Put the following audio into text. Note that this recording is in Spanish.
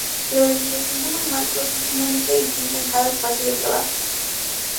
La organización de los marcos es dinámica y distinta en cada espacio de trabajo.